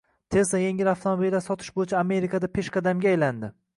Tesla yengil avtomobillar sotish bo‘yicha Amerikada peshqadamga aylandi.